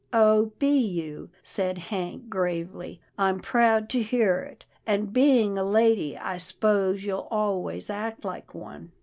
" Oh! be you," said Hank gravely, " I'm proud to hear it, and, being a lady, I s'pose you'll always act like one."